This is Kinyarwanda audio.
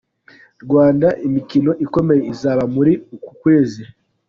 Rwanda Imikino ikomeye izaba muri uku kwezi